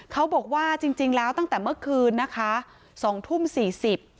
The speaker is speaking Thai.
เขาบอกว่าจริงจริงแล้วตั้งแต่เมื่อคืนนะคะสองทุ่มสี่สิบ